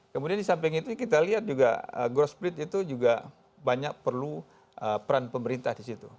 kemudian disamping itu kita lihat juga gross split itu juga banyak perlu peran pemerintah disitu